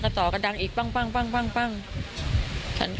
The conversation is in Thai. พอลูกเขยกลับเข้าบ้านไปพร้อมกับหลานได้ยินเสียงปืนเลยนะคะ